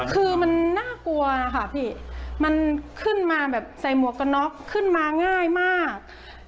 คือมันน่ากลัวค่ะพี่มันขึ้นมาแบบใส่หมวกกันน็อกขึ้นมาง่ายมาก